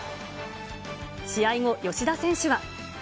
試合後、吉田選手は。